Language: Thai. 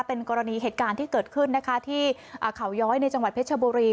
เป็นกรณีเหตุการณ์ที่เกิดขึ้นนะคะที่เขาย้อยในจังหวัดเพชรบุรี